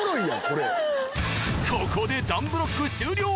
これここで団ブロック終了！